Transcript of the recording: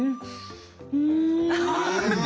うん！